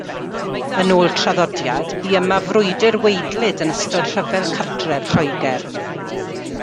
Yn ôl traddodiad bu yma frwydr waedlyd yn ystod Rhyfel Cartref Lloegr.